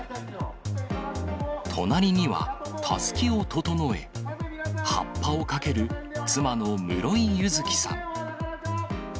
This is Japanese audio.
隣には、たすきを整え、ハッパをかける、妻の室井佑月さん。